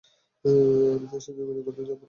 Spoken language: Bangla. আমি তার সাথে যোগাযোগ করতে পারবো না।